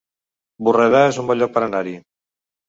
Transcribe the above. Borredà es un bon lloc per anar-hi